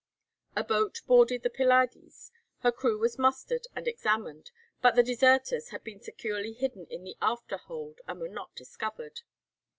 A boat boarded the 'Pylades,' her crew was mustered and examined, but the deserters had been securely hidden in the after hold, and were not discovered.